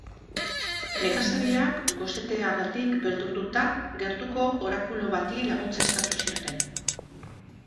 Nekazariak, goseteagatik beldurtuta, gertuko orakulu bati laguntza eskatu zioten.